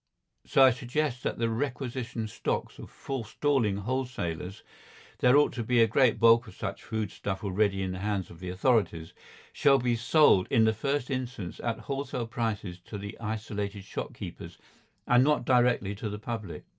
So that I suggest that the requisitioned stocks of forestalling wholesalers—there ought to be a great bulk of such food stuff already in the hands of the authorities—shall be sold in the first instance at wholesale prices to the isolated shopkeepers, and not directly to the public.